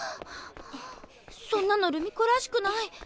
そんなの留美子らしくない。